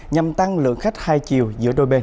nhằm tăng lượng khách hai chiều giữa đôi bên